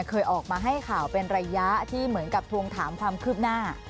เคยออกมาให้ข่าวเป็นระยะที่เหมือนกับทวงถามความคืบหน้า